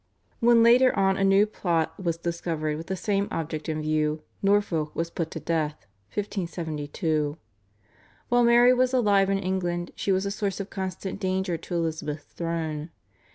When later on a new plot was discovered with the same object in view Norfolk was put to death (1572). While Mary was alive in England she was a source of constant danger to Elizabeth's throne.